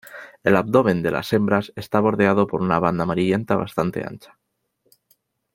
El abdomen de las hembras está bordeado por una banda amarillenta bastante ancha.